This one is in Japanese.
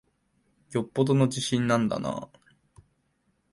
よっぽどの自信なんだなぁ。